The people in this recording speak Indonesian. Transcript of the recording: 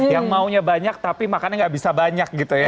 yang maunya banyak tapi makannya nggak bisa banyak gitu ya